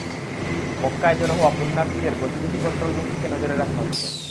মক্কায় জড়ো হওয়া পুণ্যার্থীদের গতিবিধি কন্ট্রোল রুম থেকে নজরে রাখা হচ্ছে।